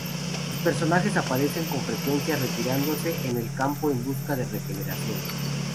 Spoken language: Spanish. Sus personajes aparecen con frecuencia retirándose en el campo en busca de regeneración.